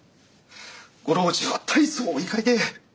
ご老中は大層お怒りで。